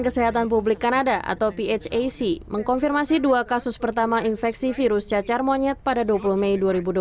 kesehatan publik kanada atau phac mengkonfirmasi dua kasus pertama infeksi virus cacar monyet pada dua puluh mei dua ribu dua puluh satu